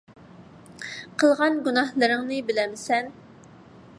قىلغان گۇناھلىرىڭنى بىلەمسەن؟